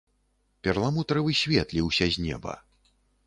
Перламутравы свет ліўся з неба.